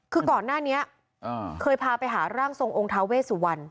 คือก่อนหน้านี้เคยพาไปหาร่างทรงองค์ทาเวสุวรรณ